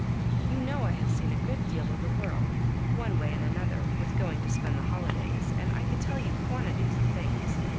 "You know I have seen a good deal of the world, one way and another, with going to spend the holidays, and I could tell you quantities of things.